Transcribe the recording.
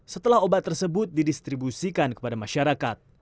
setelah obat tersebut didistribusikan kepada masyarakat